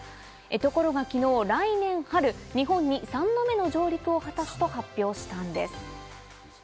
ところが昨日、来年春、日本に３度目の上陸を果たすと発表したんです。